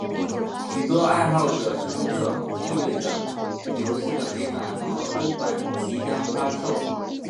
许多爱好者称这意味这游戏的美版和欧版即将发售。